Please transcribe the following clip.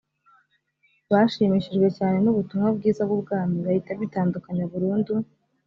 bashimishijwe cyane n ‘ubutumwa bwiza bw ‘ubwami bahita bitandukanya burundu .